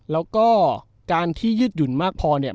แล้วก็การที่ยืดหยุ่นมากพอเนี่ย